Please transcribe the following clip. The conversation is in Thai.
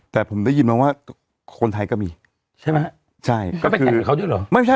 แต่ผมได้ยินมาว่าคนไทยก็มีใช่ไหมใช่ก็คือก็เป็นแข่งของเขาด้วยหรอ